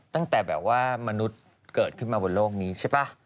ตั้งแต่แบบว่ามนุษย์เกิดขึ้นมาบนโลกนี้ใช่ป่ะ